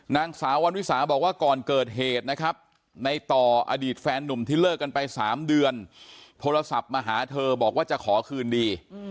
นางสาววันวิสาบอกว่าก่อนเกิดเหตุนะครับในต่ออดีตแฟนนุ่มที่เลิกกันไป๓เดือนโทรศัพท์มาหาเธอบอกว่าจะขอคืนดี